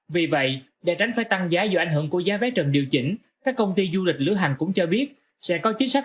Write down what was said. vì vậy để tránh phải tăng giá do ảnh hưởng của giá vé trần điều chỉnh các công ty du lịch lửa hành cũng cho biết sẽ có chính sách